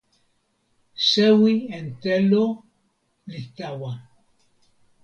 sewi en telo li tawa.